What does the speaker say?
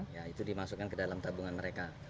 ya itu dimasukkan ke dalam tabungan mereka